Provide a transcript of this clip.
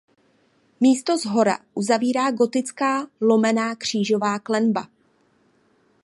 Místo shora uzavírá gotická lomená křížová klenba.